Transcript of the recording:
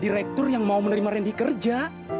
direktur yang mau menerima randy kerja